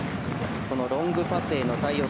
そのロングパスへの対応。